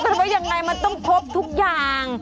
ก็จะบอกว่าอย่างไรมันต้องครบทุกอย่าง